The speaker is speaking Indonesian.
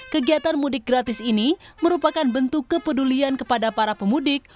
kegiatan mudik gratis ini merupakan bentuk kepedulian kepada para pemudik